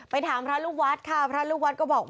ไปถามพระรุวัสตร์ค่ะพระรุวัสตร์ก็บอกว่า